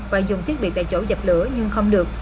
và dùng thiết bị tại chỗ dập lửa nhưng không được